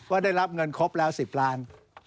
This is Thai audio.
ได้รับเงินครบแล้ว๑๐ล้าน